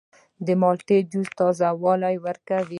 د مالټې جوس تازه والی ورکوي.